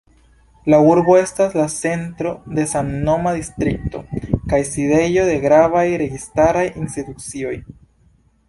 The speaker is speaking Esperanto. La urbo estas la centro de samnoma distrikto, kaj sidejo de gravaj registaraj institucioj.